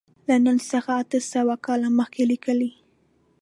له نن څخه اته سوه کاله مخکې لیکلی.